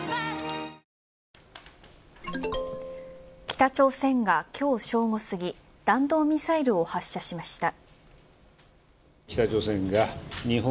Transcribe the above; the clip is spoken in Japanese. ＪＴ北朝鮮が今日正午すぎ、弾道ミサイルを発射しました。